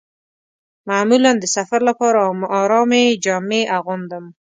معمولاً د سفر لپاره ارامې جامې اغوندم.